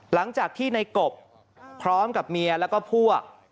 หลังจากที่ในกบพร้อมกับเมียแล้วก็พวก